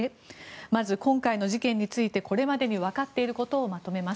まず今回の事件についてこれまでに分かっていることをまとめます。